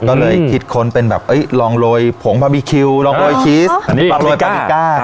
ก็เลยคิดค้นเป็นแบบลองโรยผงบาร์บีคิวลองโรยชีสอันนี้ปลาโรยบาบีก้า